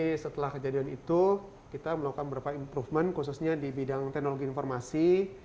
setelah kejadian itu kita melakukan beberapa improvement khususnya di bidang teknologi informasi